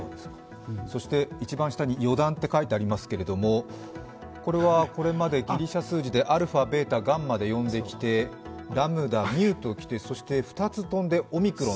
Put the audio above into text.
そして一番下に余談と書いてありますけれども、これまでギリシャ数字でアルファ、ベータ、ガンマで呼んできてラムダ、ミューと来て２つ飛んでオミクロン。